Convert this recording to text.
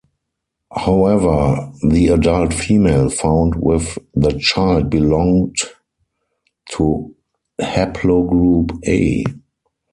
However, the adult female found with the child belonged to haplogroup A.